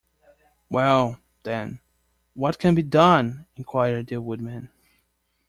Well, then, what can be done? enquired the Woodman.